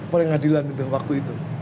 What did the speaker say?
pengadilan itu waktu itu